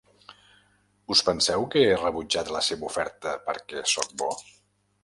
Us penseu que he rebutjat la seva oferta perquè soc bo?